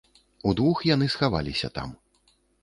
Удвух яны схаваліся там.